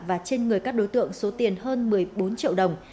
và trên người các đối tượng số tiền hơn một mươi bốn triệu đồng